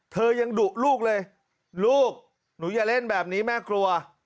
เธอยังดุลูกเลยลูกหนูอย่าเล่นแบบนี้แม่กลัว